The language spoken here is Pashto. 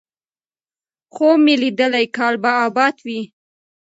خوب مې ليدلی کال به اباد وي،